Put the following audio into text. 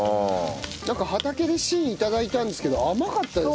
なんか畑で芯頂いたんですけど甘かったです。